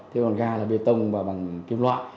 thế còn ga là bê tông và bằng kim loại